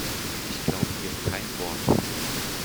Ich glaube ihr kein Wort.